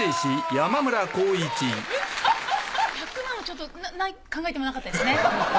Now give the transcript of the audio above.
１００万はちょっと考えてなかったですね。